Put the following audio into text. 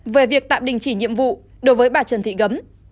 về việc tạm đình chỉ nhiệm vụ đối với bà trần thị gấm